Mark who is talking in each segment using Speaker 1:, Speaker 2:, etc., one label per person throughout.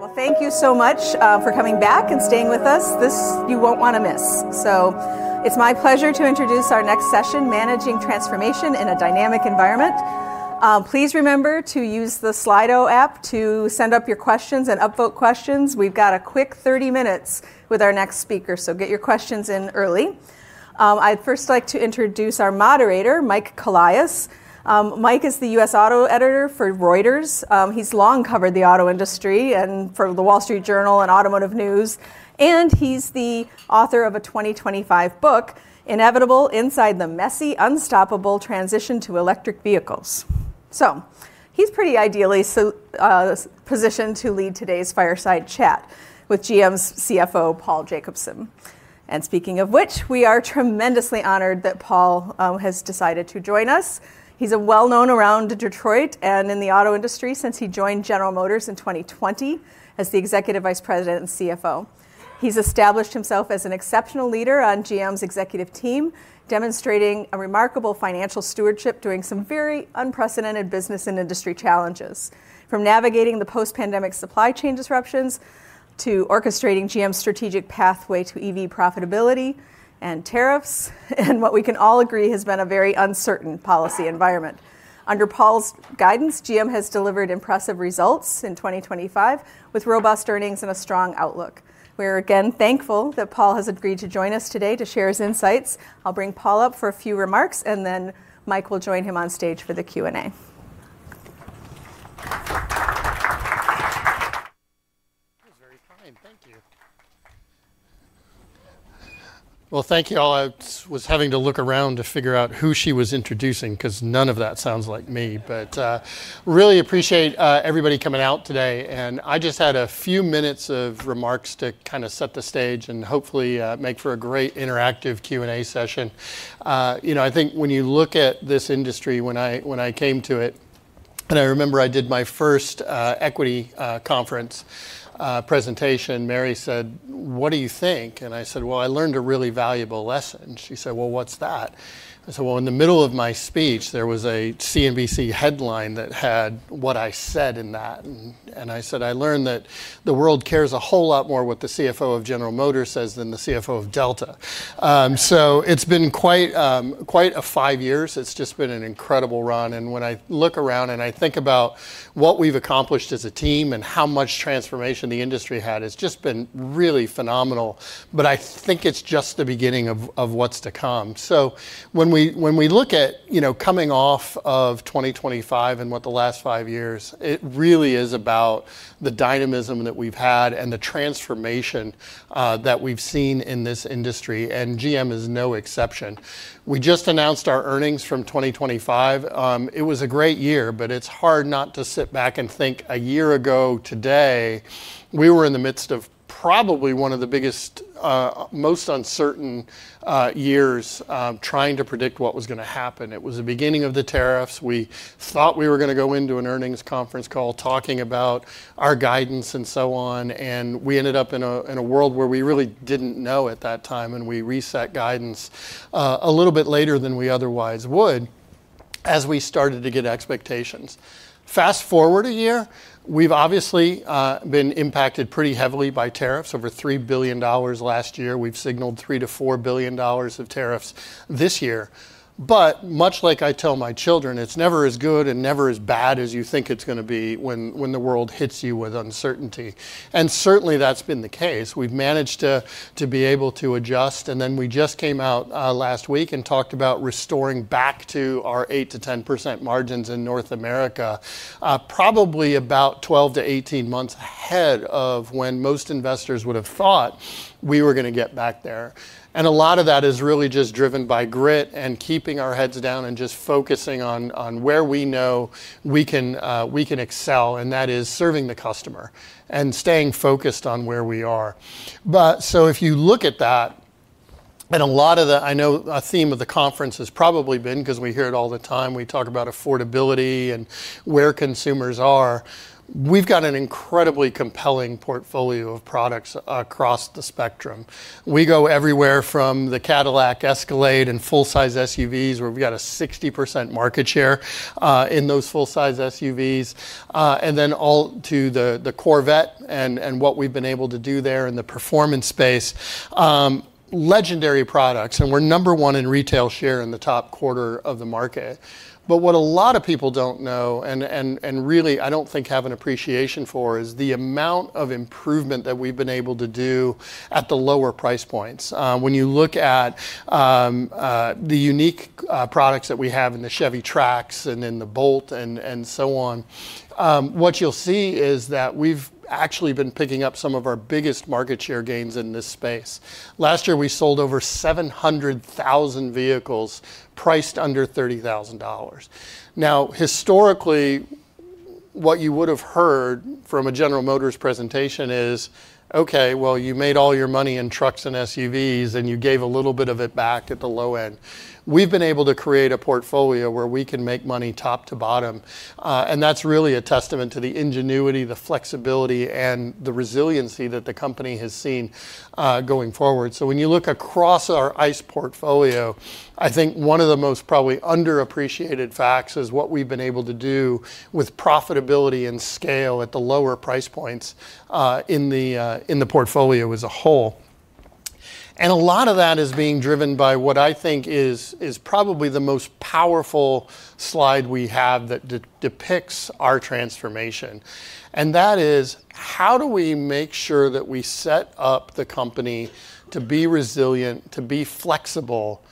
Speaker 1: Well, thank you so much for coming back and staying with us. This you won't wanna miss. It's my pleasure to introduce our next session, Managing Transformation in a Dynamic Environment. Please remember to use the Slido app to send up your questions and upvote questions. We've got a quick 30 minutes with our next speaker, so get your questions in early. I'd first like to introduce our moderator, Mike Colias. Mike is the U.S. Auto Editor for Reuters. He's long covered the auto industry, and for The Wall Street Journal and Automotive News, and he's the author of a 2025 book, Inevitable: Inside the Messy, Unstoppable Transition to Electric Vehicles. He's pretty ideally positioned to lead today's fireside chat with GM's CFO, Paul Jacobson. And speaking of which, we are tremendously honored that Paul has decided to join us. He's well known around Detroit and in the auto industry since he joined General Motors in 2020 as the Executive Vice President and CFO. He's established himself as an exceptional leader on GM's executive team, demonstrating a remarkable financial stewardship, doing some very unprecedented business and industry challenges, from navigating the post-pandemic supply chain disruptions, to orchestrating GM's strategic pathway to EV profitability and tariffs, and what we can all agree has been a very uncertain policy environment. Under Paul's guidance, GM has delivered impressive results in 2025, with robust earnings and a strong outlook. We're again thankful that Paul has agreed to join us today to share his insights. I'll bring Paul up for a few remarks, and then Mike will join him on stage for the Q&A.
Speaker 2: That's very kind. Thank you. Well, thank you all. I was having to look around to figure out who she was introducing, 'cause none of that sounds like me. Really appreciate everybody coming out today, and I just had a few minutes of remarks to kinda set the stage and hopefully make for a great interactive Q&A session. You know, I think when you look at this industry, when I came to it, and I remember I did my first equity conference presentation, Mary said: "What do you think?" And I said, "Well, I learned a really valuable lesson." She said, "Well, what's that?" I said: Well, in the middle of my speech, there was a CNBC headline that had what I said in that. I said: "I learned that the world cares a whole lot more what the CFO of General Motors says than the CFO of Delta." So it's been quite, quite a five years. It's just been an incredible run. And when I look around and I think about what we've accomplished as a team and how much transformation the industry had, it's just been really phenomenal, but I think it's just the beginning of what's to come. So when we look at, you know, coming off of 2025 and what the last five years, it really is about the dynamism that we've had and the transformation that we've seen in this industry, and GM is no exception. We just announced our earnings from 2025. It was a great year, but it's hard not to sit back and think, a year ago today, we were in the midst of probably one of the biggest, most uncertain, years, trying to predict what was gonna happen. It was the beginning of the tariffs. We thought we were gonna go into an earnings conference call talking about our guidance and so on, and we ended up in a, in a world where we really didn't know at that time, and we reset guidance, a little bit later than we otherwise would, as we started to get expectations. Fast-forward a year, we've obviously, been impacted pretty heavily by tariffs, over $3 billion last year. We've signaled $3-$4 billion of tariffs this year. Much like I tell my children, it's never as good and never as bad as you think it's gonna be when the world hits you with uncertainty. Certainly, that's been the case. We've managed to be able to adjust, and then we just came out last week and talked about restoring back to our 8%-10% margins in North America, probably about 12-18 months ahead of when most investors would have thought we were gonna get back there. A lot of that is really just driven by grit and keeping our heads down and just focusing on where we know we can excel, and that is serving the customer and staying focused on where we are. If you look at that, and a lot of the... I know a theme of the conference has probably been, 'cause we hear it all the time, we talk about affordability and where consumers are. We've got an incredibly compelling portfolio of products across the spectrum. We go everywhere from the Cadillac Escalade and full-size SUVs, where we've got a 60% market share in those full-size SUVs, and then all to the Corvette and what we've been able to do there in the performance space. Legendary products, and we're number one in retail share in the top quarter of the market. What a lot of people don't know, and really I don't think have an appreciation for, is the amount of improvement that we've been able to do at the lower price points. When you look at the unique products that we have in the Chevy Trax and in the Bolt and so on, what you'll see is that we've actually been picking up some of our biggest market share gains in this space. Last year, we sold over 700,000 vehicles, priced under $30,000. Now, historically, what you would have heard from a General Motors presentation is: "Okay, well, you made all your money in trucks and SUVs, and you gave a little bit of it back at the low end." We've been able to create a portfolio where we can make money top to bottom, and that's really a testament to the ingenuity, the flexibility, and the resiliency that the company has seen, going forward. When you look across our ICE portfolio, I think one of the most probably underappreciated facts is what we've been able to do with profitability and scale at the lower price points, in the portfolio as a whole. A lot of that is being driven by what I think is probably the most powerful slide we have that depicts our transformation. That is, how do we make sure that we set up the company to be resilient, to be flexible,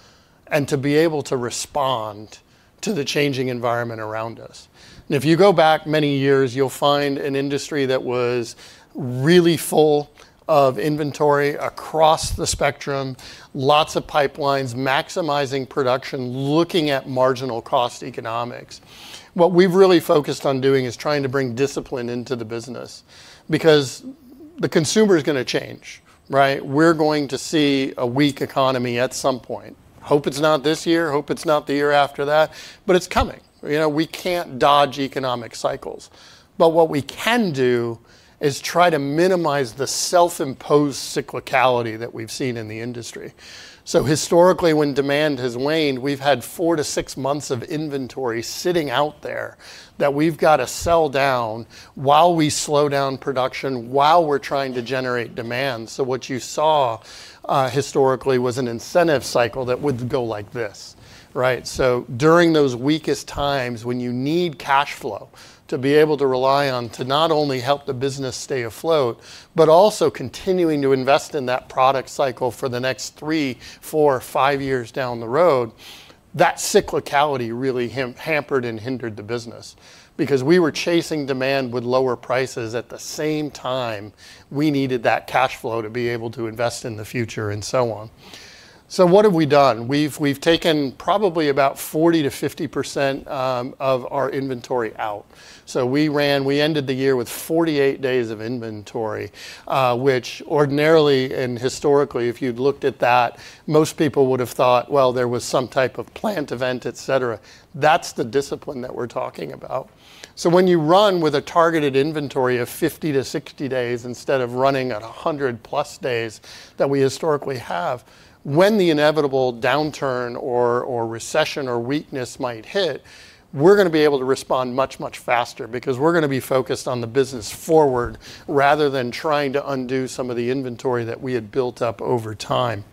Speaker 2: and to be able to respond to the changing environment around us? If you go back many years, you'll find an industry that was really full of inventory across the spectrum, lots of pipelines, maximizing production, looking at marginal cost economics. What we've really focused on doing is trying to bring discipline into the business, because the consumer is gonna change, right? We're going to see a weak economy at some point. Hope it's not this year, hope it's not the year after that, but it's coming. You know, we can't dodge economic cycles. But what we can do is try to minimize the self-imposed cyclicality that we've seen in the industry. So historically, when demand has waned, we've had four-six months of inventory sitting out there that we've got to sell down while we slow down production, while we're trying to generate demand. So what you saw, historically, was an incentive cycle that would go like this, right? So during those weakest times, when you need cash flow to be able to rely on, to not only help the business stay afloat, but also continuing to invest in that product cycle for the next three, four, five years down the road, that cyclicality really hampered and hindered the business. Because we were chasing demand with lower prices at the same time we needed that cash flow to be able to invest in the future, and so on. So what have we done? We've, we've taken probably about 40%-50% of our inventory out. So we ran... We ended the year with 48 days of inventory, which ordinarily and historically, if you'd looked at that, most people would have thought, well, there was some type of plant event, et cetera. That's the discipline that we're talking about. So when you run with a targeted inventory of 50-60 days instead of running at a 100+ days that we historically have, when the inevitable downturn or recession or weakness might hit, we're gonna be able to respond much, much faster because we're gonna be focused on the business forward, rather than trying to undo some of the inventory that we had built up over time.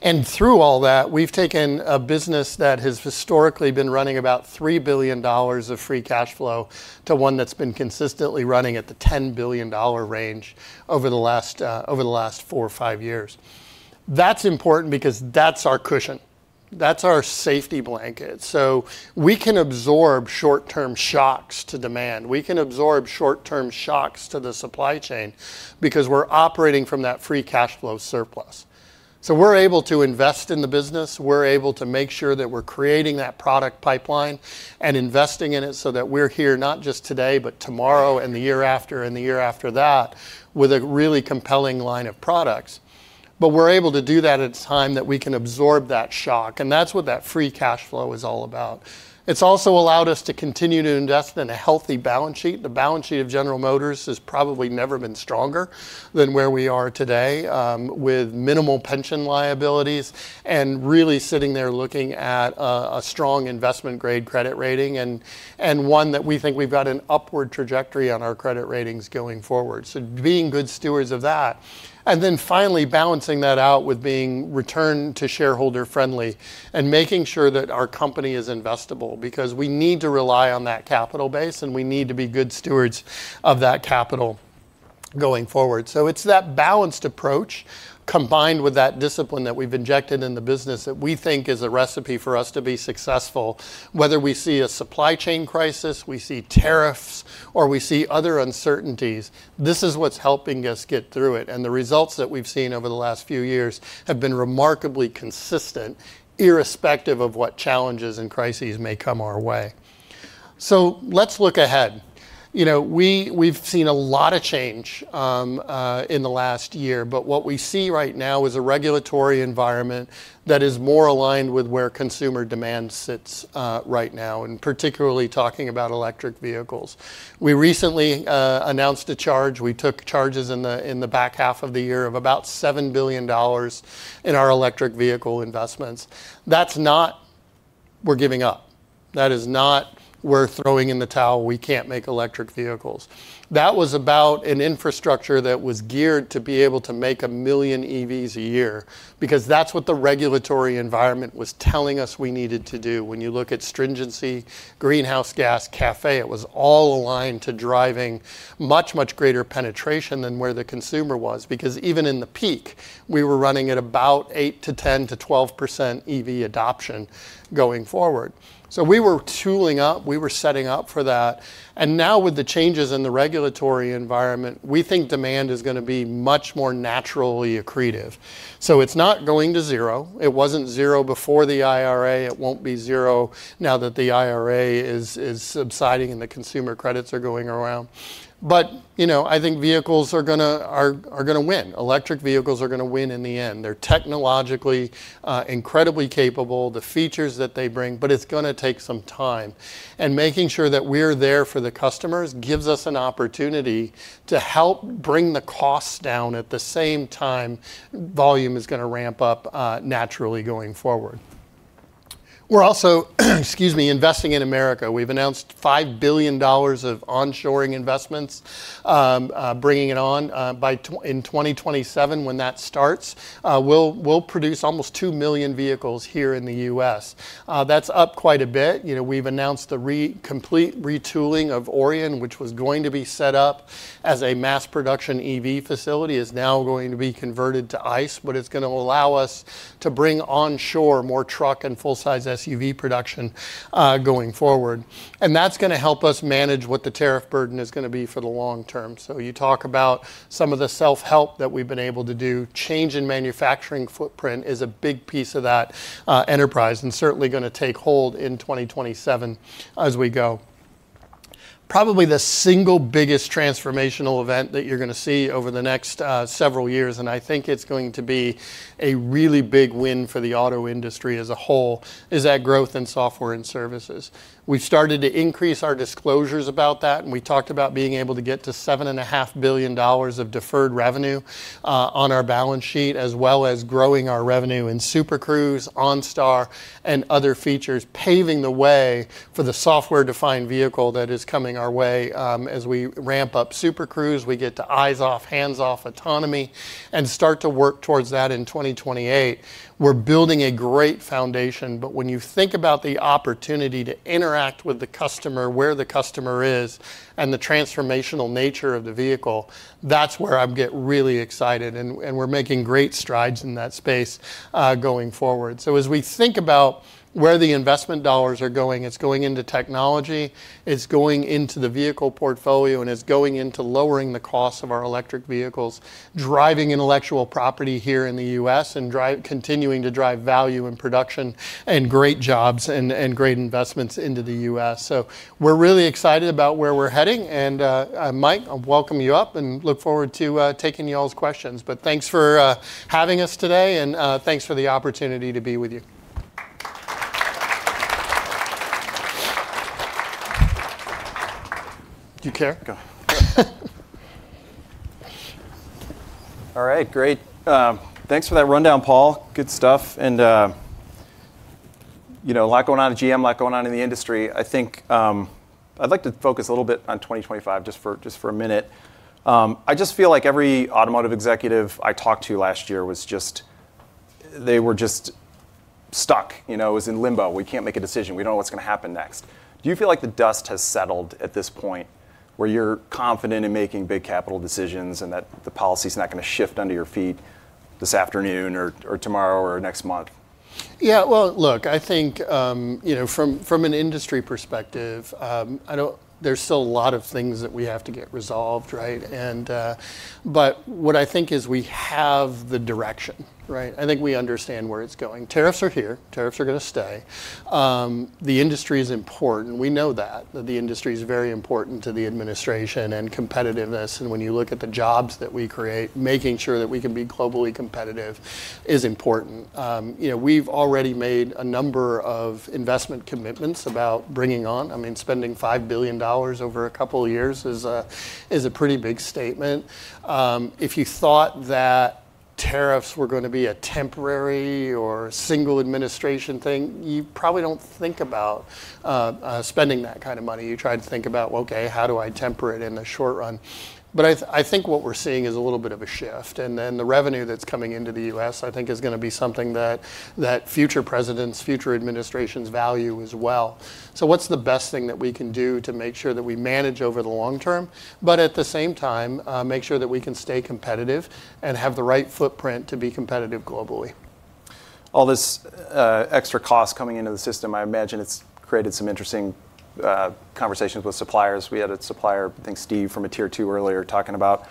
Speaker 2: And through all that, we've taken a business that has historically been running about $3 billion of free cash flow to one that's been consistently running at the $10 billion range over the last four or five years. That's important because that's our cushion. That's our safety blanket. So we can absorb short-term shocks to demand. We can absorb short-term shocks to the supply chain because we're operating from that free cash flow surplus. So we're able to invest in the business, we're able to make sure that we're creating that product pipeline and investing in it so that we're here not just today, but tomorrow, and the year after, and the year after that, with a really compelling line of products. But we're able to do that at a time that we can absorb that shock, and that's what that free cash flow is all about. It's also allowed us to continue to invest in a healthy balance sheet. The balance sheet of General Motors has probably never been stronger than where we are today, with minimal pension liabilities and really sitting there looking at a strong investment-grade credit rating, and one that we think we've got an upward trajectory on our credit ratings going forward. So being good stewards of that. And then finally, balancing that out with being return-to-shareholder friendly, and making sure that our company is investable, because we need to rely on that capital base, and we need to be good stewards of that capital going forward. So it's that balanced approach, combined with that discipline that we've injected in the business, that we think is a recipe for us to be successful, whether we see a supply chain crisis, we see tariffs, or we see other uncertainties. This is what's helping us get through it, and the results that we've seen over the last few years have been remarkably consistent, irrespective of what challenges and crises may come our way. So let's look ahead. You know, we've seen a lot of change in the last year, but what we see right now is a regulatory environment that is more aligned with where consumer demand sits right now, and particularly talking about electric vehicles. We recently announced a charge. We took charges in the back half of the year of about $7 billion in our electric vehicle investments. That's not we're giving up. That is not we're throwing in the towel, we can't make electric vehicles. That was about an infrastructure that was geared to be able to make 1 million EVs a year, because that's what the regulatory environment was telling us we needed to do. When you look at stringency, greenhouse gas, CAFE, it was all aligned to driving much, much greater penetration than where the consumer was, because even in the peak, we were running at about 8%-10%-12% EV adoption going forward. So we were tooling up, we were setting up for that, and now with the changes in the regulatory environment, we think demand is gonna be much more naturally accretive. So it's not going to zero. It wasn't zero before the IRA, it won't be zero now that the IRA is subsiding and the consumer credits are going around. But, you know, I think vehicles are gonna win. Electric vehicles are gonna win in the end. They're technologically incredibly capable, the features that they bring, but it's gonna take some time. And making sure that we're there for the customers gives us an opportunity to help bring the costs down at the same time volume is gonna ramp up naturally going forward. We're also, excuse me, investing in America. We've announced $5 billion of onshoring investments, bringing it on by in 2027, when that starts. We'll produce almost 2 million vehicles here in the U.S. That's up quite a bit. You know, we've announced the complete retooling of Orion, which was going to be set up as a mass production EV facility, is now going to be converted to ICE, but it's gonna allow us to bring onshore more truck and full-size SUV production going forward. And that's gonna help us manage what the tariff burden is gonna be for the long term. So you talk about some of the self-help that we've been able to do, change in manufacturing footprint is a big piece of that, enterprise, and certainly gonna take hold in 2027 as we go. Probably, the single biggest transformational event that you're gonna see over the next several years, and I think it's going to be a really big win for the auto industry as a whole, is that growth in software and services. We've started to increase our disclosures about that, and we talked about being able to get to $7.5 billion of deferred revenue on our balance sheet, as well as growing our revenue in Super Cruise, OnStar, and other features, paving the way for the software-defined vehicle that is coming our way, as we ramp up Super Cruise, we get to eyes-off, hands-off autonomy and start to work towards that in 2028. We're building a great foundation, but when you think about the opportunity to interact with the customer, where the customer is, and the transformational nature of the vehicle, that's where I get really excited, and, and we're making great strides in that space, going forward. So as we think about where the investment dollars are going, it's going into technology, it's going into the vehicle portfolio, and it's going into lowering the cost of our electric vehicles, driving intellectual property here in the U.S., and continuing to drive value in production, and great jobs, and, and great investments into the US. So we're really excited about where we're heading, and, Mike, I welcome you up, and look forward to taking y'all's questions. But thanks for having us today, and thanks for the opportunity to be with you. Do you care?
Speaker 3: Go. All right, great. Thanks for that rundown, Paul. Good stuff, and, you know, a lot going on at GM, a lot going on in the industry. I think, I'd like to focus a little bit on 2025, just for, just for a minute. I just feel like every automotive executive I talked to last year was just... They were just stuck, you know, was in limbo: "We can't make a decision. We don't know what's gonna happen next." Do you feel like the dust has settled at this point, where you're confident in making big capital decisions, and that the policy's not gonna shift under your feet this afternoon, or, or tomorrow, or next month?
Speaker 2: Yeah, well, look, I think, you know, from an industry perspective, I don't—there's still a lot of things that we have to get resolved, right? And but what I think is we have the direction, right? I think we understand where it's going. Tariffs are here. Tariffs are gonna stay. The industry is important. We know that, that the industry is very important to the administration and competitiveness, and when you look at the jobs that we create, making sure that we can be globally competitive is important. You know, we've already made a number of investment commitments about bringing on, I mean, spending $5 billion over a couple of years is a, is a pretty big statement. If you thought that tariffs were gonna be a temporary or single administration thing, you probably don't think about spending that kind of money. You try to think about, "Okay, how do I temper it in the short run?" But I, I think what we're seeing is a little bit of a shift, and then the revenue that's coming into the U.S., I think is gonna be something that future presidents, future administrations value as well. So what's the best thing that we can do to make sure that we manage over the long term, but at the same time, make sure that we can stay competitive, and have the right footprint to be competitive globally?
Speaker 3: All this extra cost coming into the system, I imagine it's created some interesting conversations with suppliers. We had a supplier, I think, Steve, from a Tier 2 earlier, talking about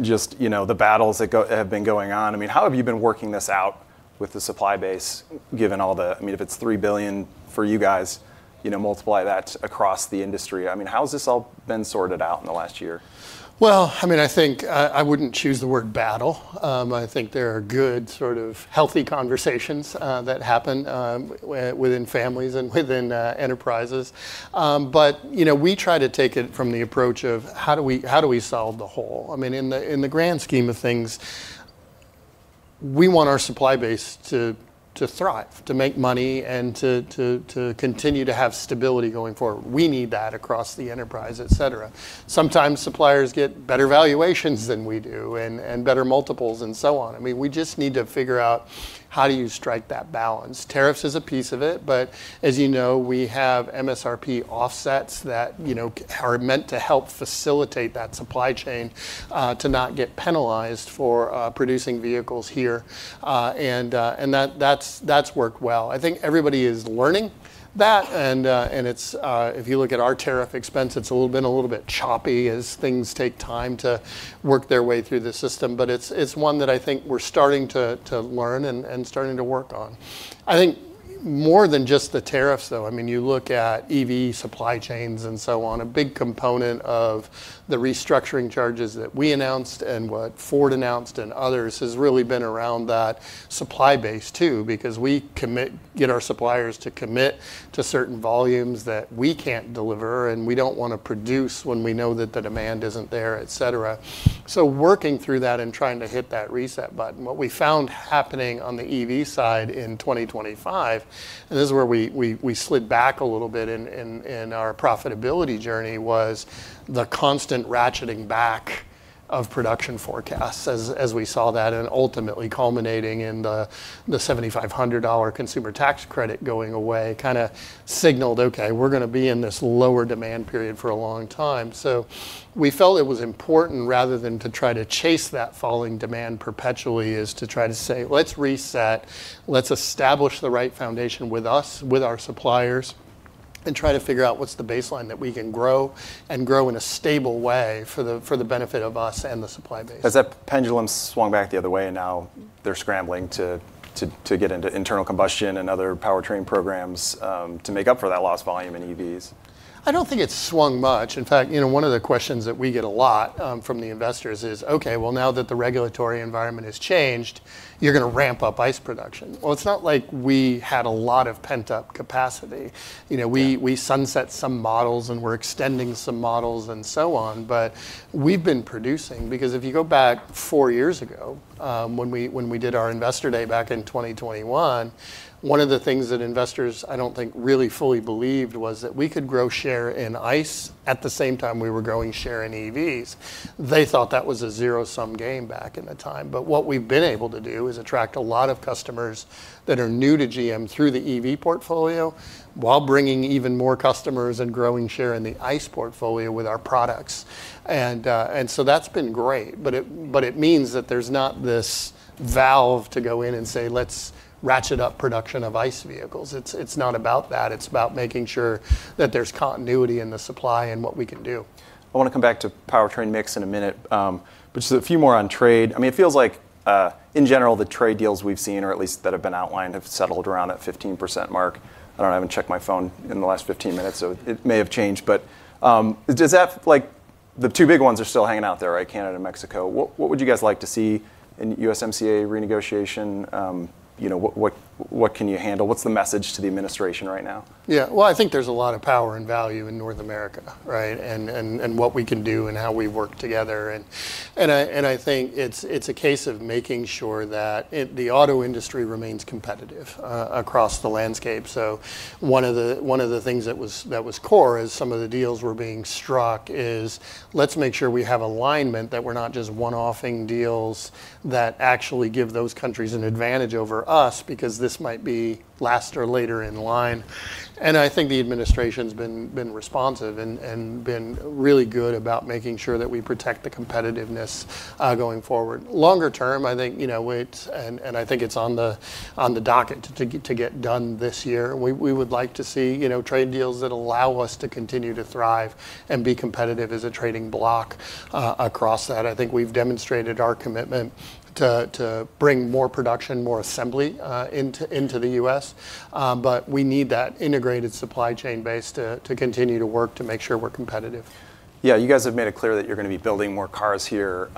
Speaker 3: just, you know, the battles that have been going on. I mean, how have you been working this out with the supply base, given all the... I mean, if it's $3 billion for you guys, you know, multiply that across the industry. I mean, how has this all been sorted out in the last year?
Speaker 2: Well, I mean, I wouldn't choose the word battle. I think there are good, sort of healthy conversations that happen within families and within enterprises. But, you know, we try to take it from the approach of, how do we solve the whole? I mean, in the grand scheme of things, we want our supply base to thrive, to make money, and to continue to have stability going forward. We need that across the enterprise, et cetera. Sometimes suppliers get better valuations than we do, and better multiples, and so on. I mean, we just need to figure out how do you strike that balance? Tariffs is a piece of it, but as you know, we have MSRP offsets that, you know, are meant to help facilitate that supply chain, to not get penalized for, producing vehicles here. And that, that's worked well. I think everybody is learning that, and it's, if you look at our tariff expense, it's been a little bit choppy as things take time to work their way through the system. But it's one that I think we're starting to learn and starting to work on. I think more than just the tariffs, though, I mean, you look at EV supply chains and so on, a big component of the restructuring charges that we announced, and what Ford announced, and others, has really been around that supply base, too, because we commit, get our suppliers to commit to certain volumes that we can't deliver, and we don't wanna produce when we know that the demand isn't there, et cetera. Working through that and trying to hit that reset button, what we found happening on the EV side in 2025, and this is where we, we slid back a little bit in our profitability journey, was the constant ratcheting back of production forecasts, as we saw that, and ultimately culminating in the $7,500 consumer tax credit going away, kind of signaled, okay, we're going to be in this lower demand period for a long time. We felt it was important, rather than to try to chase that falling demand perpetually, is to try to say, "Let's reset. Let's establish the right foundation with us, with our suppliers, and try to figure out what's the baseline that we can grow, and grow in a stable way for the benefit of us and the supply base.
Speaker 3: Has that pendulum swung back the other way, and now they're scrambling to get into internal combustion and other powertrain programs, to make up for that lost volume in EVs?
Speaker 2: I don't think it's swung much. In fact, you know, one of the questions that we get a lot from the investors is, "Okay, well, now that the regulatory environment has changed, you're going to ramp up ICE production." Well, it's not like we had a lot of pent-up capacity. You know, we sunset some models, and we're extending some models, and so on. We've been producing, because if you go back four years ago, when we did our Investor Day back in 2021, one of the things that investors, I don't think really fully believed, was that we could grow share in ICE at the same time we were growing share in EVs. They thought that was a zero-sum game back in the time. What we've been able to do is attract a lot of customers that are new to GM through the EV portfolio, while bringing even more customers and growing share in the ICE portfolio with our products. That's been great, but it means that there's not this valve to go in and say, "Let's ratchet up production of ICE vehicles." It's not about that. It's about making sure that there's continuity in the supply and what we can do.
Speaker 3: I want to come back to powertrain mix in a minute, but just a few more on trade. I mean, it feels like, in general, the trade deals we've seen, or at least that have been outlined, have settled around that 15% mark. I don't know, I haven't checked my phone in the last 15 minutes, so it may have changed. Does that... Like, the two big ones are still hanging out there, right? Canada and Mexico. What would you guys like to see in USMCA renegotiation? You know, what can you handle? What's the message to the administration right now?
Speaker 2: Yeah. Well, I think there's a lot of power and value in North America, right? I think it's a case of making sure that the auto industry remains competitive across the landscape. One of the things that was core, as some of the deals were being struck, is let's make sure we have alignment, that we're not just one-offing deals that actually give those countries an advantage over us, because this might be last or later in line. I think the administration's been responsive and been really good about making sure that we protect the competitiveness going forward. Longer term, I think, you know, it's... I think it's on the docket to get done this year. We would like to see, you know, trade deals that allow us to continue to thrive and be competitive as a trading bloc across that. I think we've demonstrated our commitment to bring more production, more assembly into the U.S., but we need that integrated supply chain base to continue to work to make sure we're competitive.
Speaker 3: Yeah, you guys have made it clear that you're going to be building more cars here.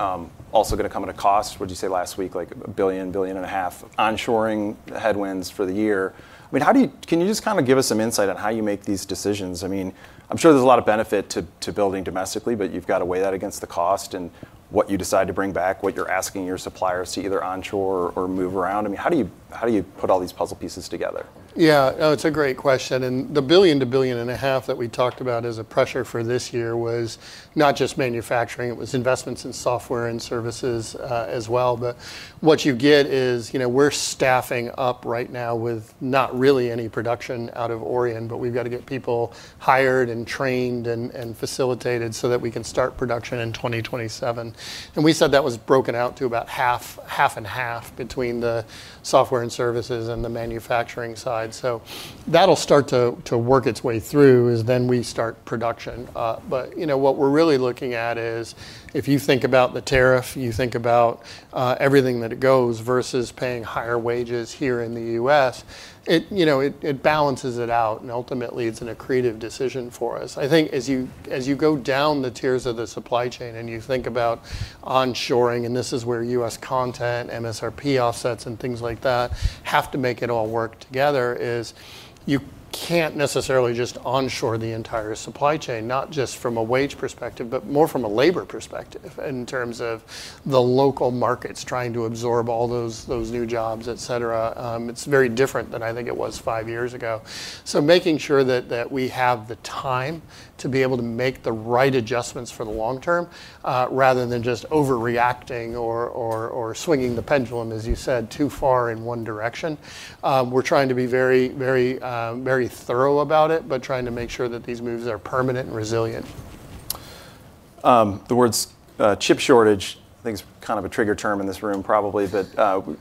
Speaker 3: Also going to come at a cost. What'd you say last week? Like $1 billion-$1.5 billion, onshoring headwinds for the year. I mean, how do you- can you just kind of give us some insight on how you make these decisions? I mean, I'm sure there's a lot of benefit to, to building domestically, but you've got to weigh that against the cost and what you decide to bring back, what you're asking your suppliers to either onshore or move around. I mean, how do you, how do you put all these puzzle pieces together?
Speaker 2: Yeah. No, it's a great question, and the $1 billion-$1.5 billion that we talked about as a pressure for this year was not just manufacturing, it was investments in software and services, as well. But what you get is, you know, we're staffing up right now with not really any production out of Orion, but we've got to get people hired, and trained, and facilitated, so that we can start production in 2027. And we said that was broken out to about half and half between the software and services and the manufacturing side. So that'll start to work its way through, as then we start production. But, you know, what we're really looking at is, if you think about the tariff, you think about everything that it goes versus paying higher wages here in the U.S., it, you know, it balances it out, and ultimately, it's an accretive decision for us. I think as you, as you go down the tiers of the supply chain and you think about onshoring, and this is where U.S. content, MSRP offsets, and things like that have to make it all work together, is you can't necessarily just onshore the entire supply chain, not just from a wage perspective, but more from a labor perspective, in terms of the local markets trying to absorb all those, those new jobs, etc. It's very different than I think it was five years ago. So making sure that we have the time to be able to make the right adjustments for the long term, rather than just overreacting or swinging the pendulum, as you said, too far in one direction. We're trying to be very, very, very thorough about it, but trying to make sure that these moves are permanent and resilient.
Speaker 3: The words, "chip shortage," I think it's kind of a trigger term in this room, probably. But,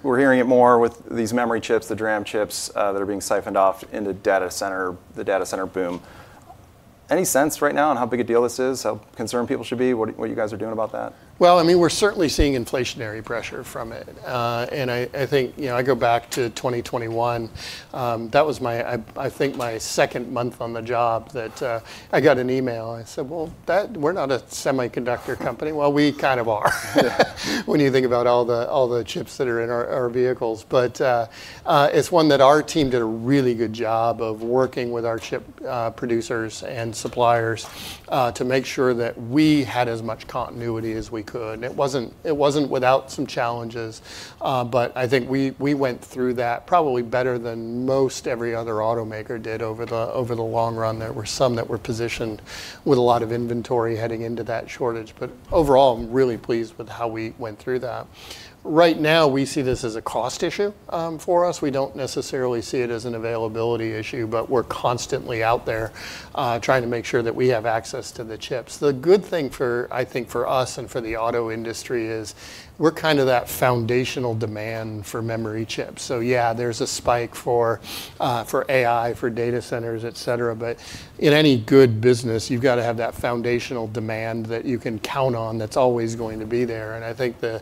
Speaker 3: we're hearing it more with these memory chips, the DRAM chips, that are being siphoned off in the data center, the data center boom. Any sense right now on how big a deal this is, how concerned people should be? What, what you guys are doing about that?
Speaker 2: Well, I mean, we're certainly seeing inflationary pressure from it. I think, you know, I go back to 2021, that was my—I think, my second month on the job, that I got an email, and I said, "Well, we're not a semiconductor company." Well, we kind of are, when you think about all the, all the chips that are in our vehicles. It's one that our team did a really good job of working with our chip producers and suppliers to make sure that we had as much continuity as we could, and it wasn't without some challenges. I think we went through that probably better than most every other automaker did over the long run. There were some that were positioned with a lot of inventory heading into that shortage. Overall, I'm really pleased with how we went through that. Right now, we see this as a cost issue for us. We don't necessarily see it as an availability issue, but we're constantly out there trying to make sure that we have access to the chips. The good thing for, I think for us and for the auto industry is, we're kind of that foundational demand for memory chips. Yeah, there's a spike for AI, for data centers, et cetera, but in any good business, you've got to have that foundational demand that you can count on that's always going to be there. I think the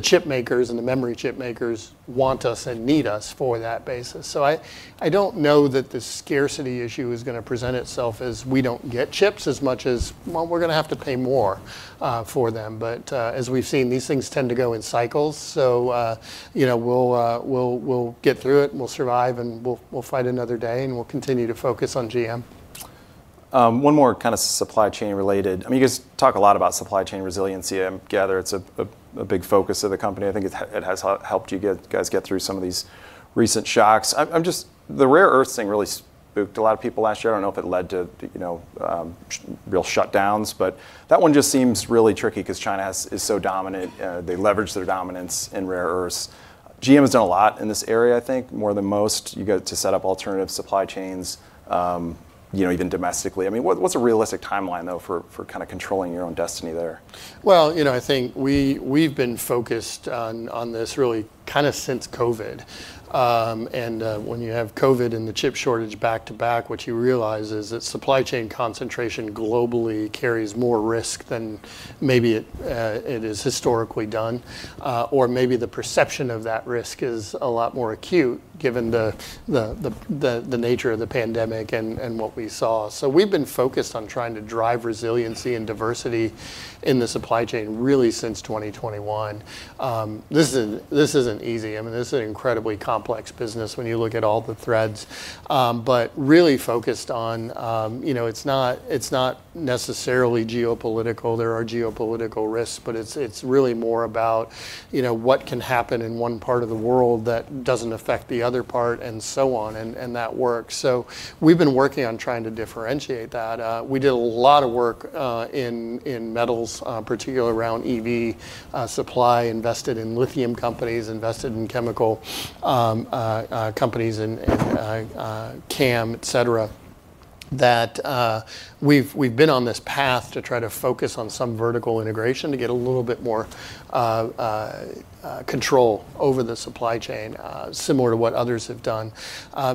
Speaker 2: chip makers and the memory chip makers want us and need us for that basis. So I don't know that the scarcity issue is going to present itself as we don't get chips, as much as, well, we're going to have to pay more for them. But as we've seen, these things tend to go in cycles, so you know, we'll get through it, and we'll survive, and we'll fight another day, and we'll continue to focus on GM.
Speaker 3: One more kind of supply chain related. I mean, you guys talk a lot about supply chain resiliency. I gather it's a big focus of the company. I think it has helped you guys get through some of these recent shocks. I'm just... The rare earth thing really spooked a lot of people last year. I don't know if it led to, you know, real shutdowns, but that one just seems really tricky because China is so dominant. They leverage their dominance in rare earths. GM has done a lot in this area, I think, more than most. You got to set up alternative supply chains, you know, even domestically. I mean, what's a realistic timeline, though, for kind of controlling your own destiny there?
Speaker 2: Well, you know, I think we've been focused on this really kind of since COVID. And when you have COVID and the chip shortage back-to-back, what you realize is that supply chain concentration globally carries more risk than maybe it has historically done, or maybe the perception of that risk is a lot more acute, given the nature of the pandemic and what we saw. So we've been focused on trying to drive resiliency and diversity in the supply chain, really since 2021. This isn't easy. I mean, this is an incredibly complex business when you look at all the threads, but really focused on, you know, it's not necessarily geopolitical. There are geopolitical risks, but it's really more about, you know, what can happen in one part of the world that doesn't affect the other part, and so on, and that works. So we've been working on trying to differentiate that. We did a lot of work in metals, particularly around EV supply, invested in lithium companies, invested in chemical companies, and CAM, et cetera, that. We've been on this path to try to focus on some vertical integration to get a little bit more control over the supply chain, similar to what others have done.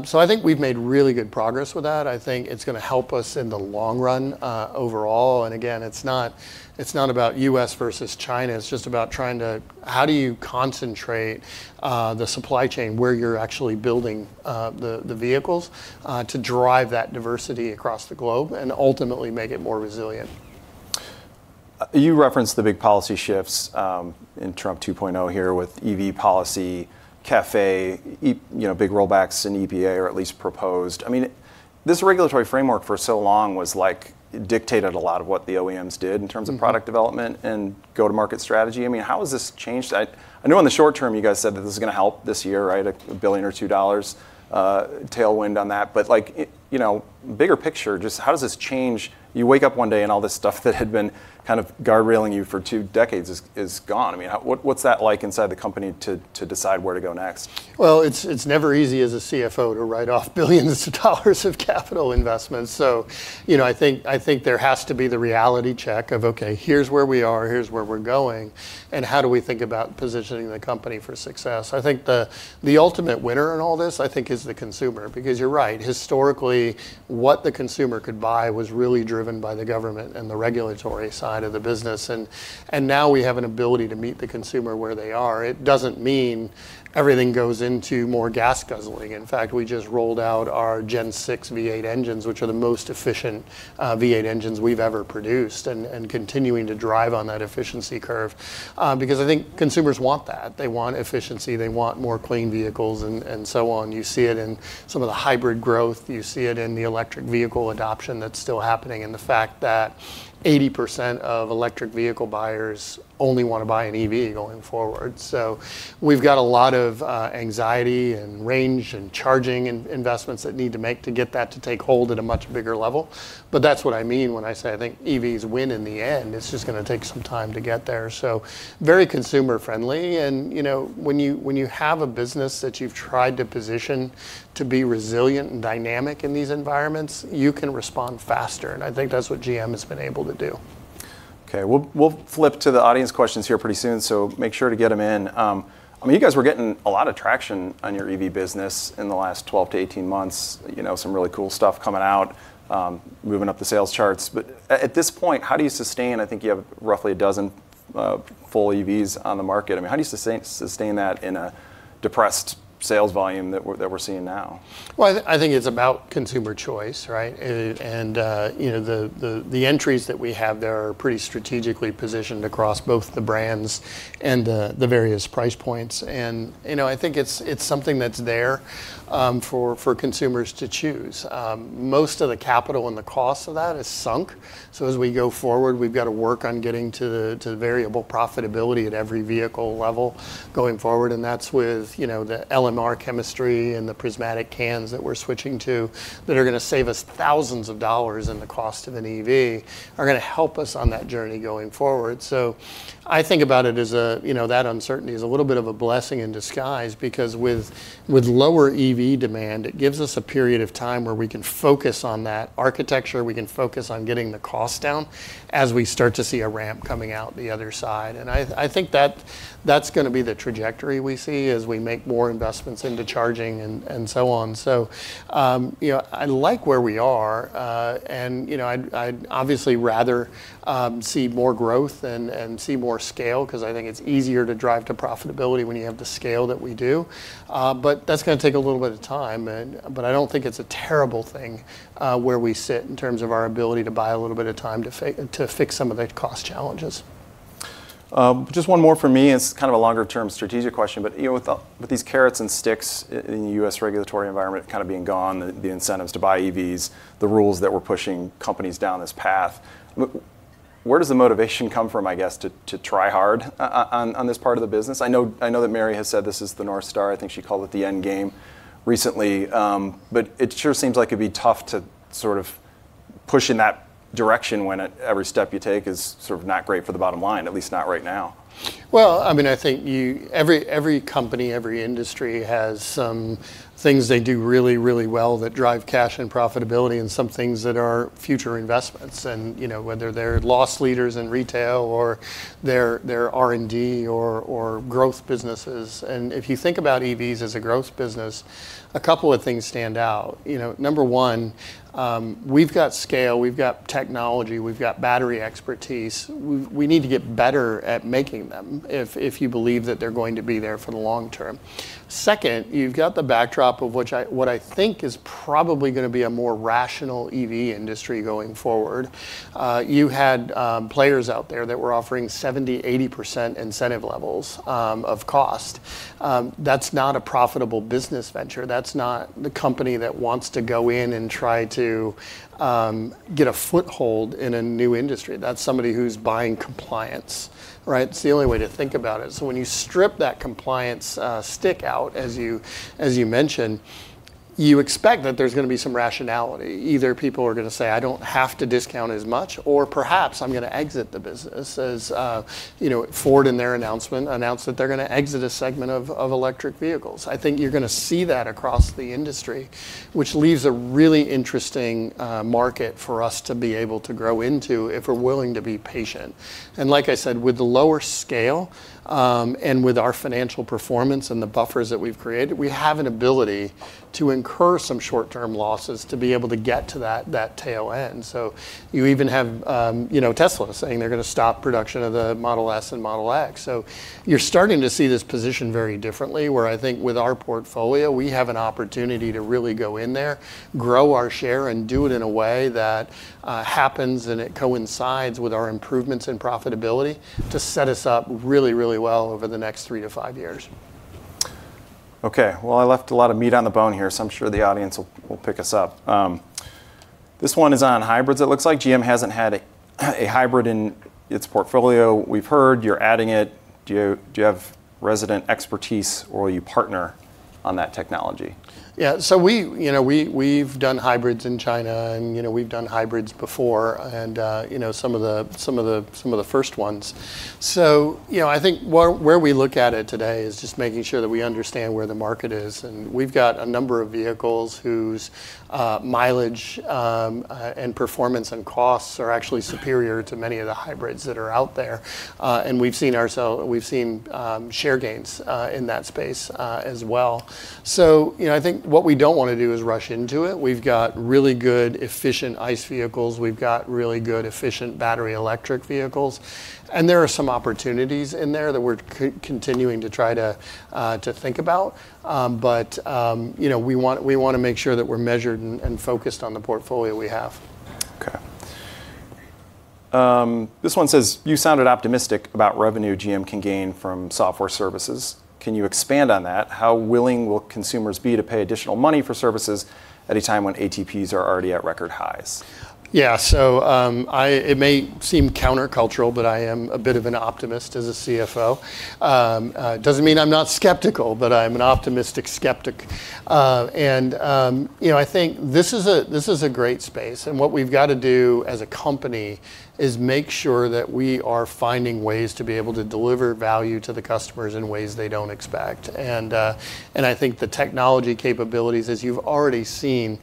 Speaker 2: So I think we've made really good progress with that. I think it's going to help us in the long run, overall, and again, it's not about U.S. versus China. It's just about trying to, how do you concentrate the supply chain, where you're actually building the vehicles to drive that diversity across the globe and ultimately make it more resilient?
Speaker 3: You referenced the big policy shifts, in Trump 2.0 here, with EV policy, CAFE, E- you know, big rollbacks in EPA, or at least proposed. I mean, this regulatory framework for so long was like, it dictated a lot of what the OEMs did-
Speaker 2: Mm...
Speaker 3: in terms of product development and go-to-market strategy. I mean, how has this changed? I know in the short term, you guys said that this is going to help this year, right, $1 billion or $2 billion tailwind on that. But like, you know, bigger picture, just how does this change—you wake up one day, and all this stuff that had been kind of guardrailing you for two decades is gone. I mean, how, what's that like inside the company to decide where to go next?
Speaker 2: Well, it's never easy as a CFO to write off $ billions of capital investments. So, you know, I think there has to be the reality check of, "Okay, here's where we are, here's where we're going," and how do we think about positioning the company for success? I think the ultimate winner in all this, I think, is the consumer, because you're right, historically, what the consumer could buy was really driven by the government and the regulatory side of the business. And now we have an ability to meet the consumer where they are. It doesn't mean everything goes into more gas-guzzling. In fact, we just rolled out our Gen 6 V8 engines, which are the most efficient V8 engines we've ever produced, and continuing to drive on that efficiency curve, because I think consumers want that. They want efficiency, they want more clean vehicles, and, and so on. You see it in some of the hybrid growth, you see it in the electric vehicle adoption that's still happening, and the fact that 80% of electric vehicle buyers only want to buy an EV going forward. So we've got a lot of anxiety, and range, and charging investments that need to make to get that to take hold at a much bigger level. But that's what I mean when I say I think EVs win in the end. It's just going to take some time to get there. So very consumer-friendly, and, you know, when you, when you have a business that you've tried to position to be resilient and dynamic in these environments, you can respond faster, and I think that's what GM has been able to do.
Speaker 3: Okay, we'll flip to the audience questions here pretty soon, so make sure to get them in. I mean, you guys were getting a lot of traction on your EV business in the last 12 to 18 months. You know, some really cool stuff coming out, moving up the sales charts. At this point, how do you sustain? I think you have roughly a dozen full EVs on the market. I mean, how do you sustain, sustain that in a depressed sales volume that we're seeing now?
Speaker 2: Well, I think it's about consumer choice, right? And, you know, the entries that we have there are pretty strategically positioned across both the brands and the various price points. And, you know, I think it's something that's there for consumers to choose. Most of the capital and the cost of that is sunk. So as we go forward, we've got to work on getting to variable profitability at every vehicle level going forward, and that's with, you know, the LMR chemistry and the prismatic cans that we're switching to, that are going to save us thousands of dollars in the cost of an EV, are going to help us on that journey going forward. I think about it as a, you know, that uncertainty is a little bit of a blessing in disguise, because with, with lower EV demand, it gives us a period of time where we can focus on that architecture, we can focus on getting the cost down as we start to see a ramp coming out the other side. I, I think that that's going to be the trajectory we see as we make more investments into charging and, you know, so on. You know, I like where we are, and, you know, I'd, I'd obviously rather, you know, see more growth and, and see more scale, 'cause I think it's easier to drive to profitability when you have the scale that we do. That's going to take a little bit of time, and I don't think it's a terrible thing where we sit in terms of our ability to buy a little bit of time to fix some of the cost challenges.
Speaker 3: Just one more from me, and it's kind of a longer-term strategic question. But, you know, with the, with these carrots and sticks in the U.S. regulatory environment kind of being gone, the incentives to buy EVs, the rules that were pushing companies down this path, where does the motivation come from, I guess, to, to try hard on, on this part of the business? I know, I know that Mary has said this is the North Star. I think she called it the end game recently. But it sure seems like it'd be tough to sort of push in that direction when every step you take is sort of not great for the bottom line, at least not right now.
Speaker 2: Well, I mean, I think every company, every industry, has some things they do really, really well that drive cash and profitability and some things that are future investments. And, you know, whether they're loss leaders in retail or they're R&D or growth businesses. And if you think about EVs as a growth business, a couple of things stand out. You know, number one, we've got scale, we've got technology, we've got battery expertise. We need to get better at making them if you believe that they're going to be there for the long term. Second, you've got the backdrop of which what I think is probably going to be a more rational EV industry going forward. You had players out there that were offering 70, 80% incentive levels of cost. That's not a profitable business venture. That's not the company that wants to go in and try to get a foothold in a new industry. That's somebody who's buying compliance, right? It's the only way to think about it. So when you strip that compliance stick out, as you mentioned, you expect that there's going to be some rationality. Either people are going to say, "I don't have to discount as much," or perhaps, "I'm going to exit the business," as you know, Ford, in their announcement, announced that they're going to exit a segment of electric vehicles. I think you're going to see that across the industry, which leaves a really interesting market for us to be able to grow into if we're willing to be patient. Like I said, with the lower scale, and with our financial performance and the buffers that we've created, we have an ability to incur some short-term losses, to be able to get to that, that tail end. You even have, you know, Tesla saying they're going to stop production of the Model S and Model X. You're starting to see this position very differently, where I think with our portfolio, we have an opportunity to really go in there, grow our share, and do it in a way that happens, and it coincides with our improvements in profitability to set us up really, really well over the next three to five years.
Speaker 3: Okay, well, I left a lot of meat on the bone here, so I'm sure the audience will pick us up. This one is on hybrids. "It looks like GM hasn't had a hybrid in its portfolio. We've heard you're adding it. Do you have resident expertise, or will you partner on that technology?
Speaker 2: Yeah, so we, you know, we, we've done hybrids in China and, you know, we've done hybrids before, and, you know, some of the first ones. So, you know, I think where we look at it today is just making sure that we understand where the market is. And we've got a number of vehicles whose mileage and performance and costs are actually superior to many of the hybrids that are out there. And we've seen share gains in that space as well. So, you know, I think what we don't want to do is rush into it. We've got really good, efficient ICE vehicles. We've got really good, efficient battery electric vehicles, and there are some opportunities in there that we're continuing to try to think about. But you know, we want to make sure that we're measured and focused on the portfolio we have.
Speaker 3: Okay. This one says: "You sounded optimistic about revenue GM can gain from software services. Can you expand on that? How willing will consumers be to pay additional money for services at a time when ATPs are already at record highs?
Speaker 2: Yeah. So, it may seem countercultural, but I am a bit of an optimist as a CFO. It doesn't mean I'm not skeptical, but I'm an optimistic skeptic. And, you know, I think this is a, this is a great space, and what we've got to do, as a company, is make sure that we are finding ways to be able to deliver value to the customers in ways they don't expect. And, and I think the technology capabilities, as you've already seen,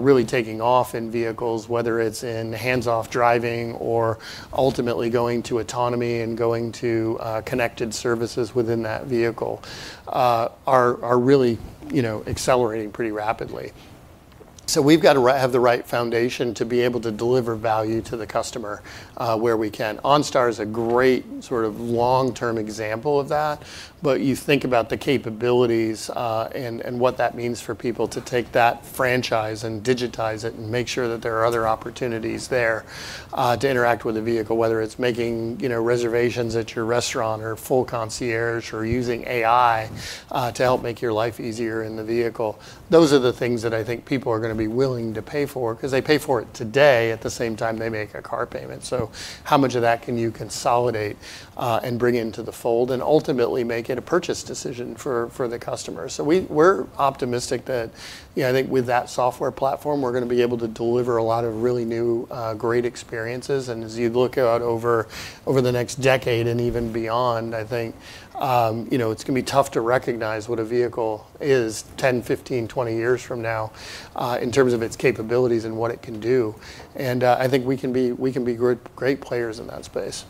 Speaker 2: really taking off in vehicles, whether it's in hands-off driving or ultimately going to autonomy and going to, connected services within that vehicle, are, are really, you know, accelerating pretty rapidly.... So we've got to have the right foundation to be able to deliver value to the customer, where we can. OnStar is a great sort of long-term example of that, but you think about the capabilities, and what that means for people to take that franchise and digitize it and make sure that there are other opportunities there, to interact with the vehicle, whether it's making, you know, reservations at your restaurant or full concierge or using AI, to help make your life easier in the vehicle. Those are the things that I think people are gonna be willing to pay for, 'cause they pay for it today at the same time they make a car payment. So how much of that can you consolidate, and bring into the fold, and ultimately make it a purchase decision for the customer? So we're optimistic that... Yeah, I think with that software platform, we're gonna be able to deliver a lot of really new, you know, great experiences. As you look out over the next decade and even beyond, I think, you know, it's gonna be tough to recognize what a vehicle is 10, 15, 20 years from now in terms of its capabilities and what it can do. I think we can be, we can be great, great players in that space.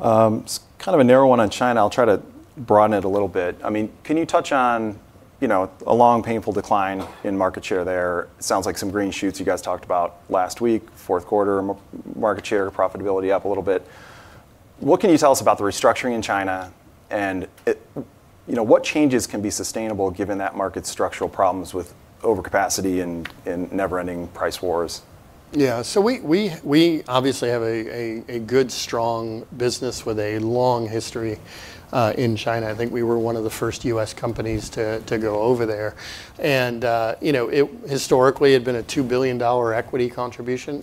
Speaker 3: Kind of a narrow one on China. I'll try to broaden it a little bit. I mean, can you touch on, you know, a long, painful decline in market share there? It sounds like some green shoots you guys talked about last week, fourth quarter, market share, profitability up a little bit. What can you tell us about the restructuring in China, and you know, what changes can be sustainable given that market's structural problems with overcapacity and, and never-ending price wars?
Speaker 2: Yeah. So we obviously have a good, strong business with a long history in China. I think we were one of the first U.S. companies to go over there. And you know, it historically had been a $2 billion equity contribution.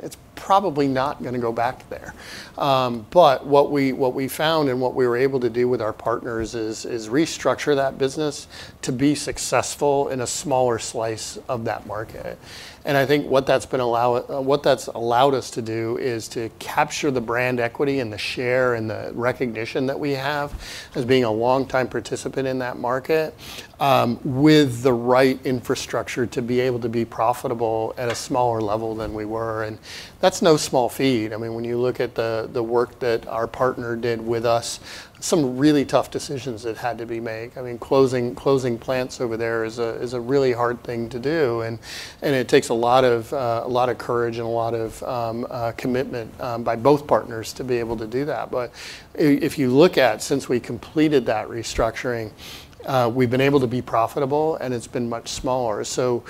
Speaker 2: It's probably not gonna go back there. But what we found and what we were able to do with our partners is restructure that business to be successful in a smaller slice of that market. And I think what that's allowed us to do is to capture the brand equity and the share and the recognition that we have as being a longtime participant in that market with the right infrastructure to be able to be profitable at a smaller level than we were. And that's no small feat. I mean, when you look at the work that our partner did with us, some really tough decisions that had to be made. I mean, closing, closing plants over there is a really hard thing to do, and it takes a lot of courage and a lot of commitment by both partners to be able to do that. If you look at since we completed that restructuring, we've been able to be profitable, and it's been much smaller. For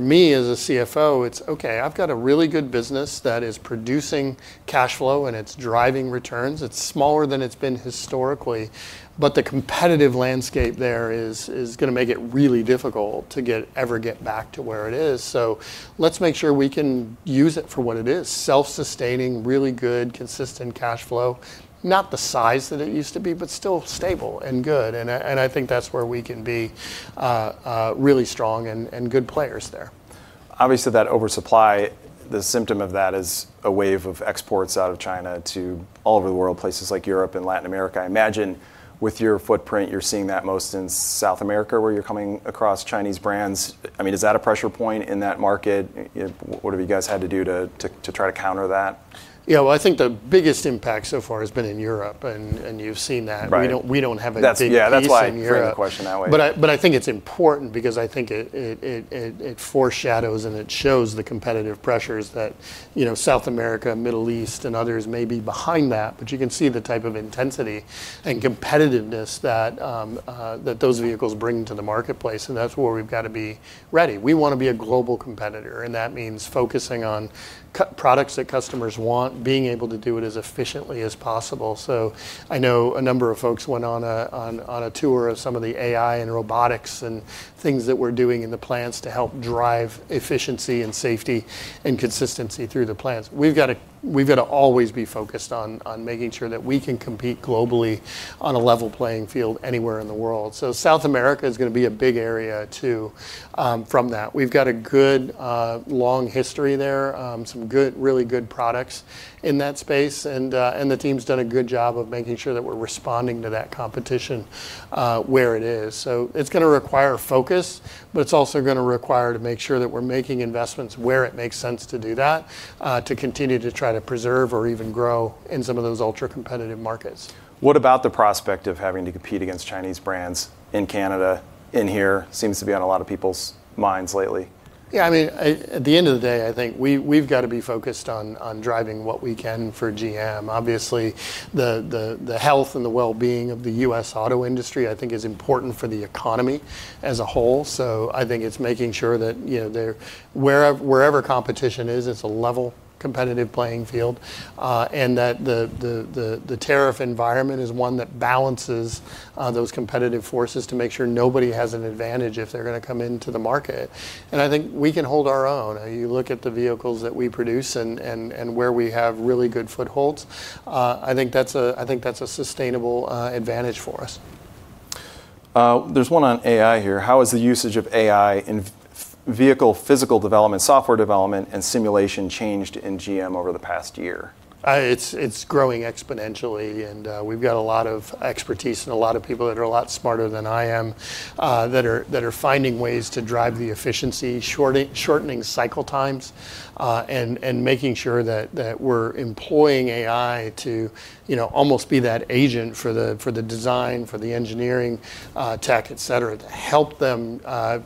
Speaker 2: me as a CFO, it's, "Okay, I've got a really good business that is producing cash flow, and it's driving returns. It's smaller than it's been historically, but the competitive landscape there is gonna make it really difficult to ever get back to where it is. So let's make sure we can use it for what it is: self-sustaining, really good, consistent cash flow. Not the size that it used to be, but still stable and good. And I think that's where we can be, really strong and good players there.
Speaker 3: Obviously, that oversupply, the symptom of that is a wave of exports out of China to all over the world, places like Europe and Latin America. I imagine with your footprint, you're seeing that most in South America, where you're coming across Chinese brands. I mean, is that a pressure point in that market? What have you guys had to do to try to counter that?
Speaker 2: Yeah. Well, I think the biggest impact so far has been in Europe, and you've seen that.
Speaker 3: Right.
Speaker 2: We don't have a big piece in Europe-
Speaker 3: That's... Yeah, that's why I framed the question that way.
Speaker 2: But I think it's important because I think it foreshadows and it shows the competitive pressures that, you know, South America, Middle East, and others may be behind that, but you can see the type of intensity and competitiveness that those vehicles bring to the marketplace, and that's where we've got to be ready. We wanna be a global competitor, and that means focusing on products that customers want, being able to do it as efficiently as possible. So I know a number of folks went on a tour of some of the AI and robotics, and things that we're doing in the plants to help drive efficiency and safety and consistency through the plants. We've got to, we've got to always be focused on, on making sure that we can compete globally on a level playing field anywhere in the world. So South America is gonna be a big area, too, from that. We've got a good, long history there, some good, really good products in that space, and, and the team's done a good job of making sure that we're responding to that competition, where it is. So it's gonna require focus, but it's also gonna require to make sure that we're making investments where it makes sense to do that, to continue to try to preserve or even grow in some of those ultra-competitive markets.
Speaker 3: What about the prospect of having to compete against Chinese brands in Canada, in here? Seems to be on a lot of people's minds lately.
Speaker 2: Yeah, I mean, at the end of the day, I think we've got to be focused on driving what we can for GM. Obviously, the health and the well-being of the U.S. auto industry, I think, is important for the economy as a whole, so I think it's making sure that, you know, wherever competition is, it's a level competitive playing field, and that the tariff environment is one that balances those competitive forces to make sure nobody has an advantage if they're gonna come into the market. And I think we can hold our own. You look at the vehicles that we produce and where we have really good footholds, I think that's a sustainable advantage for us.
Speaker 3: There's one on AI here: How has the usage of AI in vehicle physical development, software development, and simulation changed in GM over the past year?
Speaker 2: It's growing exponentially, and we've got a lot of expertise and a lot of people that are a lot smarter than I am that are finding ways to drive the efficiency, shortening cycle times, and making sure that we're employing AI to, you know, almost be that agent for the design, for the engineering, tech, et cetera, to help them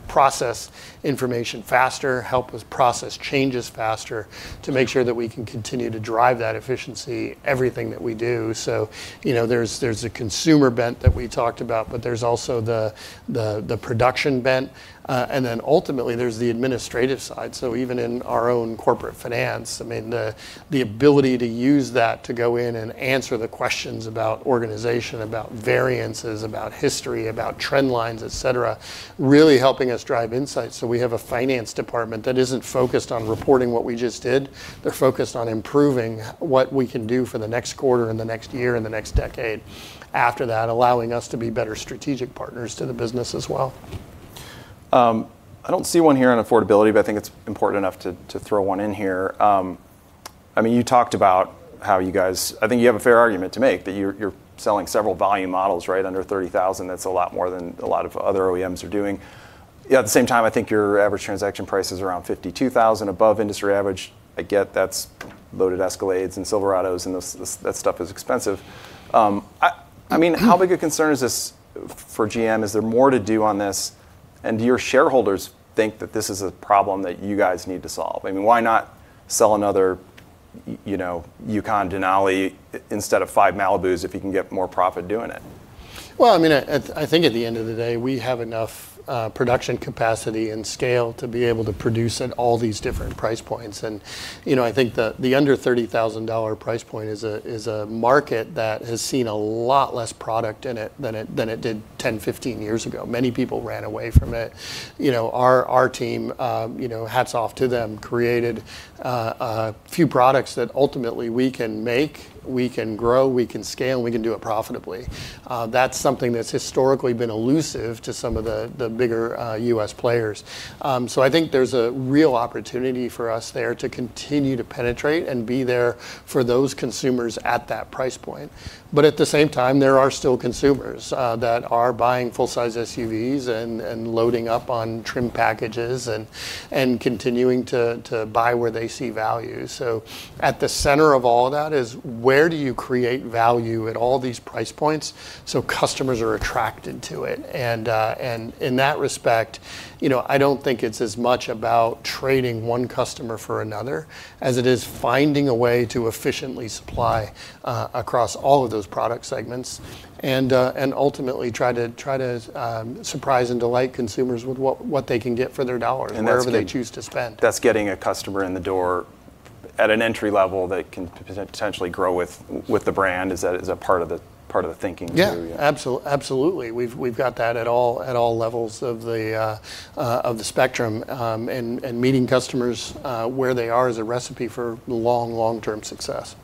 Speaker 2: process information faster, help us process changes faster, to make sure that we can continue to drive that efficiency in everything that we do. So, you know, there's a consumer bent that we talked about, but there's also the production bent, and then ultimately, there's the administrative side. So even in our own corporate finance, I mean, the ability to use that to go in and answer the questions about organization, about variances, about history, about trend lines, et cetera, really helping us drive insights. So we have a finance department that isn't focused on reporting what we just did. They're focused on improving what we can do for the next quarter and the next year and the next decade after that, allowing us to be better strategic partners to the business as well.
Speaker 3: I don't see one here on affordability, but I think it's important enough to throw one in here. I mean, you talked about how you guys... I think you have a fair argument to make, that you're selling several volume models, right? Under $30,000, that's a lot more than a lot of other OEMs are doing. Yet at the same time, I think your average transaction price is around $52,000, above industry average. I get that's loaded Escalades and Silverados, and those, that stuff is expensive. I mean, how big a concern is this for GM? Is there more to do on this, and do your shareholders think that this is a problem that you guys need to solve? I mean, why not sell another, you know, Yukon Denali instead of five Malibus if you can get more profit doing it?
Speaker 2: Well, I mean, at, I think at the end of the day, we have enough, production capacity and scale to be able to produce at all these different price points, and, you know, I think the, the under $30,000 price point is a, is a market that has seen a lot less product in it than it, than it did 10, 15 years ago. Many people ran away from it. You know, our, our team, you know, hats off to them, created, a few products that ultimately we can make, we can grow, we can scale, and we can do it profitably. That's something that's historically been elusive to some of the, the bigger, U.S. players. So I think there's a real opportunity for us there to continue to penetrate and be there for those consumers at that price point. But at the same time, there are still consumers that are buying full-size SUVs and loading up on trim packages and continuing to buy where they see value. So at the center of all that is, where do you create value at all these price points so customers are attracted to it? And in that respect, you know, I don't think it's as much about trading one customer for another, as it is finding a way to efficiently supply across all of those product segments, and ultimately try to surprise and delight consumers with what they can get for their dollar-
Speaker 3: And that's the-
Speaker 2: wherever they choose to spend.
Speaker 3: That's getting a customer in the door at an entry level that can potentially grow with the brand. Is that part of the thinking, too?
Speaker 2: Yeah, absolutely. We've got that at all levels of the spectrum, and meeting customers where they are is a recipe for long-term success.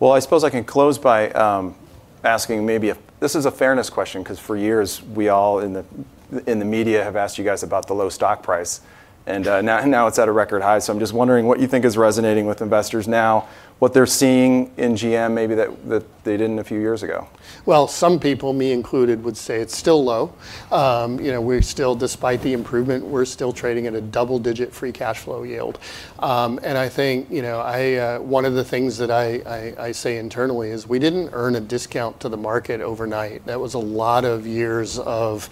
Speaker 3: Well, I suppose I can close by asking maybe. This is a fairness question, 'cause for years, we all in the, in the media have asked you guys about the low stock price, and now, now it's at a record high. So I'm just wondering what you think is resonating with investors now, what they're seeing in GM maybe that they didn't a few years ago?
Speaker 2: Well, some people, me included, would say it's still low. You know, we're still, despite the improvement, we're still trading at a double-digit free cash flow yield. And I think, you know, one of the things that I say internally is, "We didn't earn a discount to the market overnight." That was a lot of years of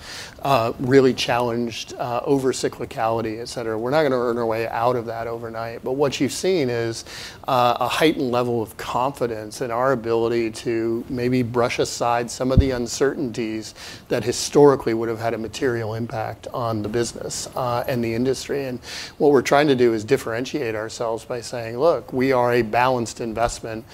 Speaker 2: really challenged over cyclicality, et cetera. We're not gonna earn our way out of that overnight. But what you've seen is a heightened level of confidence in our ability to maybe brush aside some of the uncertainties that historically would've had a material impact on the business and the industry. What we're trying to do is differentiate ourselves by saying, "Look, we are a balanced investment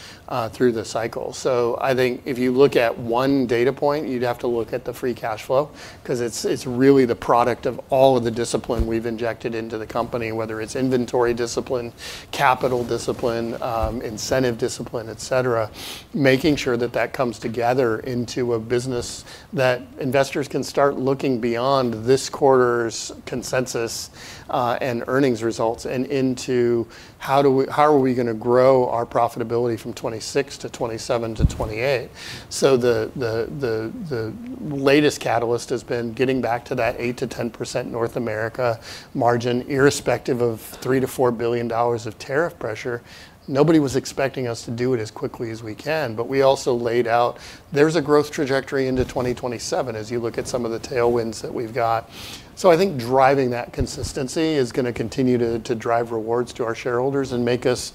Speaker 2: through the cycle." So I think if you look at one data point, you'd have to look at the free cash flow, 'cause it's really the product of all of the discipline we've injected into the company, whether it's inventory discipline, capital discipline, incentive discipline, et cetera. Making sure that that comes together into a business that investors can start looking beyond this quarter's consensus and earnings results, and into, how are we gonna grow our profitability from 2026 to 2027 to 2028? So the latest catalyst has been getting back to that 8%-10% North America margin, irrespective of $3 billion-$4 billion of tariff pressure. Nobody was expecting us to do it as quickly as we can, but we also laid out there's a growth trajectory into 2027 as you look at some of the tailwinds that we've got. So I think driving that consistency is gonna continue to drive rewards to our shareholders and make us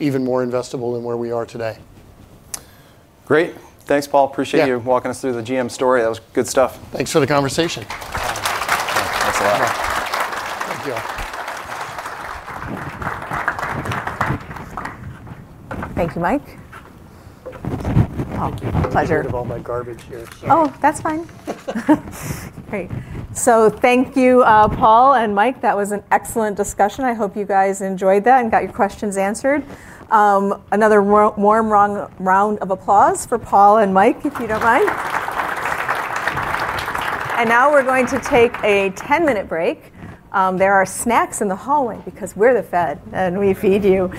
Speaker 2: even more investable than where we are today.
Speaker 3: Great! Thanks, Paul.
Speaker 2: Yeah.
Speaker 3: Appreciate you walking us through the GM story. That was good stuff.
Speaker 2: Thanks for the conversation.
Speaker 3: Thanks a lot.
Speaker 2: Thank you.
Speaker 1: Thank you, Mike.
Speaker 3: Oh, pleasure. Got rid of all my garbage here.
Speaker 1: Oh, that's fine. Great. So thank you, Paul and Mike. That was an excellent discussion. I hope you guys enjoyed that and got your questions answered. Another warm round of applause for Paul and Mike, if you don't mind. And now we're going to take a 10-minute break. There are snacks in the hallway because we're the Fed, and we feed you.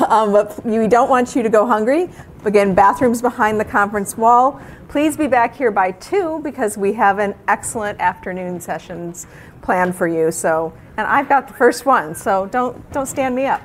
Speaker 1: But we don't want you to go hungry. Again, bathrooms behind the conference wall. Please be back here by 2:00 P.M., because we have an excellent afternoon sessions planned for you, so... And I've got the first one, so don't stand me up.